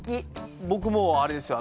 僕もうあれですよ